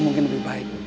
mungkin lebih baik